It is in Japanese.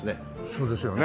そうですよね。